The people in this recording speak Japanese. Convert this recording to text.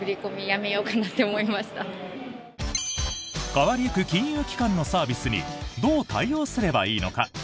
変わりゆく金融機関のサービスにどう対応すればいいのか？